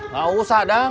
gak usah dang